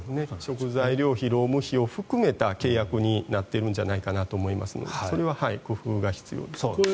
食材料費、労務費を含めた契約になってるんじゃないかなと思いますのでそれは工夫が必要です。